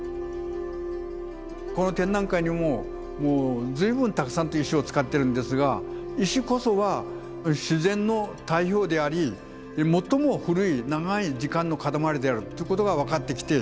この展覧会にももう随分たくさんと石を使ってるんですが石こそは自然の代表であり最も古い長い時間の塊であるということが分かってきて。